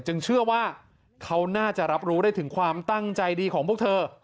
เชื่อว่าเขาน่าจะรับรู้ได้ถึงความตั้งใจดีของพวกเธอ